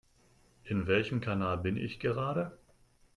In welchem Kanal bin ich gerade?